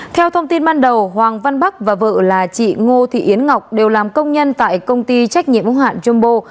theo thông tin ban đầu hoàng văn bắc và vợ là chị ngô thị yến ngọc đều làm công nhân tại công ty trách nhiệm hóa trung bồ